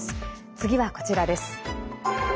次はこちらです。